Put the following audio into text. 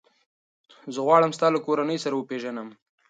زه غواړم ستا له کورنۍ سره وپېژنم.